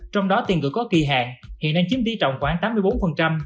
trong đó tiền gửi có kỳ hạn hiện đang chiếm tỷ trọng khoảng tám mươi bốn